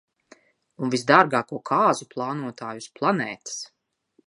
Un visdārgāko kāzu plānotāju uz planētas.